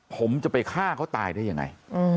ผมจะไปฆ่าเขาตายได้ยังไง